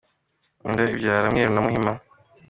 Inda ibyara mweru na muhima !